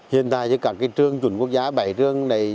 hiện tại các trường chuẩn quốc giá bảy trường này